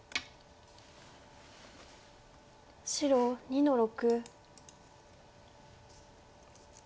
白２の六。